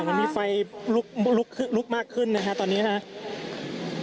ลักษณะมันมีไฟลุกมากขึ้นนะครับตอนนี้ครับ